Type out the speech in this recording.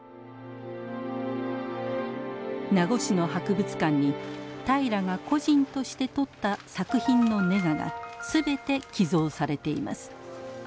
名護市の博物館に平良が個人として撮った作品のネガが全て寄贈されています。